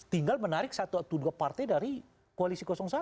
tinggal menarik satu atau dua partai dari koalisi satu